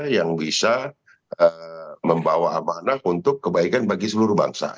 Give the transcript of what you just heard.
yang bisa membawa amanah untuk kebaikan bagi seluruh bangsa